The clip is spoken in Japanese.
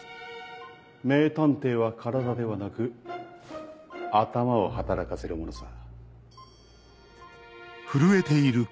名探偵は体ではなく頭を働かせるものさ。